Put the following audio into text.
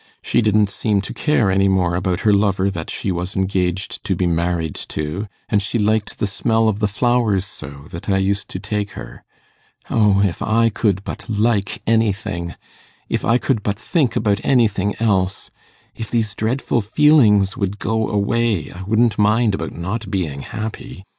She didn't seem to care any more about her lover that she was engaged to be married to, and she liked the smell of the flowers so, that I used to take her. O, if I could but like anything if I could but think about anything else! If these dreadful feelings would go away, I wouldn't mind about not being happy.